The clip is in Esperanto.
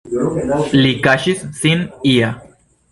Li kaŝis sin ia.